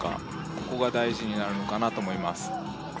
ここが大事になるのかなと思います